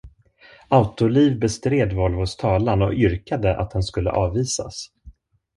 Autoliv bestred Volvos talan och yrkade att den skulle avvisas.